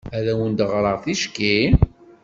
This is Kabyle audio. Ad awent-d-ɣreɣ ticki?